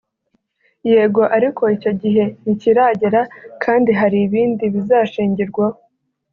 Yego ariko icyo gihe ntikiragera kandi hari ibindi bizashingirwaho